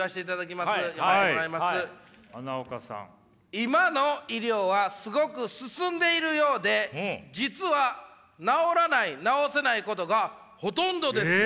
「今の医療はすごく進んでいるようで実は治らない治せないことがほとんどです。